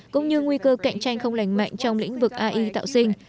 cũng như nguy cơ cạnh tranh không lành mạnh trong lĩnh vực ai tạo sinh